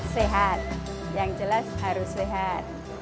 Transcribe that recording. sehat yang jelas harus sehat